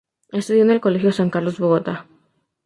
Estudió en el Colegio San Carlos, Bogotá.